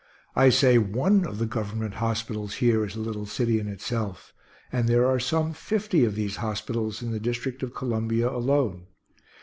I say one of the Government hospitals here is a little city in itself, and there are some fifty of these hospitals in the District of Columbia alone.